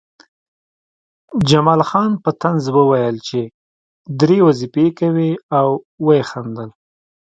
جمال خان په طنز وویل چې درې وظیفې کوې او ویې خندل